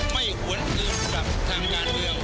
ไม่หวนอื่นกับทางยานเดียว